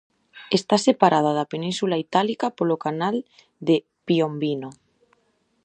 Está separada da Península Itálica polo canal de Piombino.